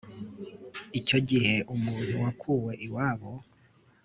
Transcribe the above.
icyo gihe umuntu wakuwe iwabo